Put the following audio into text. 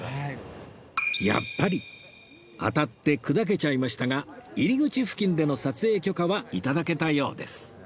やっぱり当たって砕けちゃいましたが入り口付近での撮影許可は頂けたようです